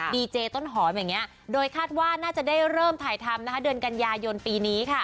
ดิเจต้นหอมโดยคาดว่าน่าจะได้เริ่มถ่ายทำเดือนกันยายนปีนี้